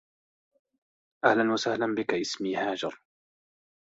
اهلا وسهلا بك اسمي هاجر